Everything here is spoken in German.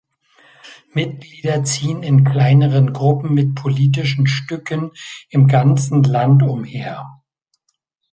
Mitglieder ziehen in kleineren Gruppen mit politischen Stücken im ganzen Land umher.